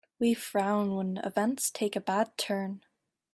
We frown when events take a bad turn.